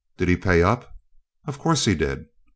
Did he pay up? Of course he did.